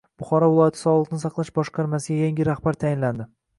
Buxoro viloyati sog‘liqni saqlash boshqarmasiga yangi rahbar tayinlandi